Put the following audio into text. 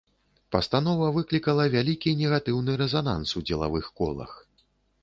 Пастанова выклікала вялікі негатыўны рэзананс у дзелавых колах.